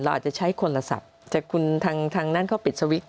เราอาจจะใช้คนละศัพท์จากคุณทางนั้นเข้าปิดสวิทย์